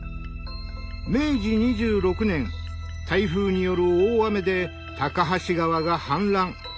明治２６年台風による大雨で高梁川が氾濫。